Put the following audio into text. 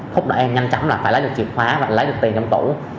thúc đẩy em nhanh chóng là phải lấy được chìa khóa và lấy được tiền trong tủ